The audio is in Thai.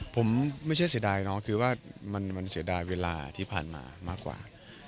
ผมไม่ใช่เสียดายเนาะคือว่ามันเสียดายเวลาที่ผ่านมามากกว่า